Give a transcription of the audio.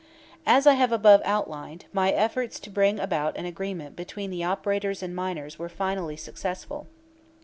As I have above outlined, my efforts to bring about an agreement between the operators and miners were finally successful.